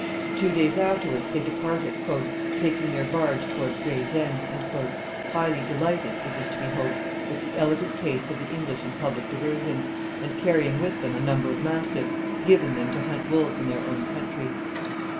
Two days afterwards they departed, "taking their barge towards Gravesend," highly delighted, it is to be hoped, with the elegant taste of the English in public diversions, and carrying with them a number of mastiffs, given them to hunt wolves in their own country.